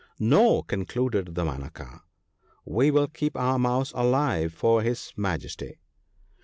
No !' concluded Damanaka, ' we will keep our mouse alive for his Majesty.'